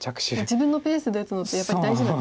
自分のペースで打つのってやっぱり大事なんですね。